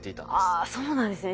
あそうなんですね。